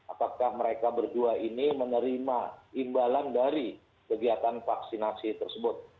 apakah mereka berdua ini menerima imbalan dari kegiatan vaksinasi tersebut